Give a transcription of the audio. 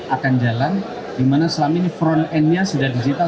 akan jalan dimana selama ini front end nya sudah digital